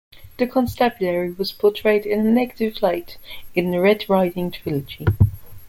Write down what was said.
The Constabulary was portrayed in a negative light in the Red Riding trilogy.